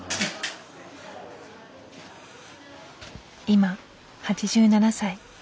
今８７歳。